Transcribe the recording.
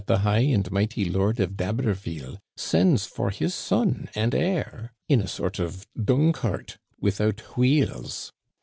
the high and mighty lord of D'Haberville sends for his son and heir in a sort of dung cart without wheels!